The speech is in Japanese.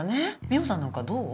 美穂さんなんかどう？